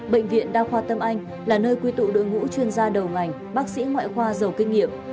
bệnh viện đa khoa tâm anh là nơi quy tụ đội ngũ chuyên gia đầu ngành bác sĩ ngoại khoa giàu kinh nghiệm